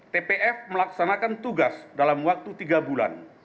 tpf melaksanakan tugas dalam waktu tiga bulan